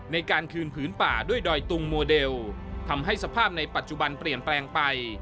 ในการคืนผืนป่าด้วยดอยตุงโมเดลทำให้สภาพในปัจจุบันเปลี่ยนแปลงไป